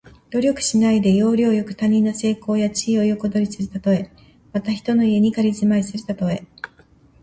努力しないで、要領よく他人の成功や地位を横取りするたとえ。また、人の家に仮住まいするたとえ。